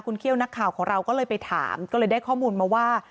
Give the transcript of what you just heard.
คุณเขี้ยวนักข่าวของเราก็เลยไปถามก็เลยได้ข้อมูลมาว่า